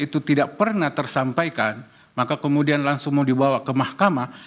itu tidak pernah tersampaikan maka kemudian langsung mau dibawa ke mahkamah